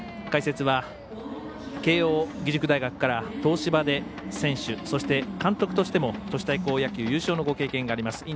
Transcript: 解説は、慶応義塾大学から東芝で選手、そして監督としても都市対抗野球優勝のご経験があります